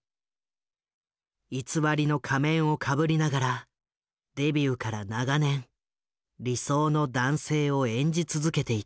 偽りの仮面をかぶりながらデビューから長年理想の男性を演じ続けていた。